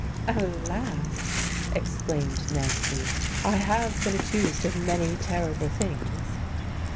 "Alas!" exclaimed Nancy, "I have been accused of many terrible things."